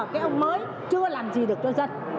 cái ông mới chưa làm gì được cho dân